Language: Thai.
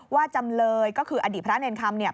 ว่าจำเลยก็คืออดีตพระเนรคำ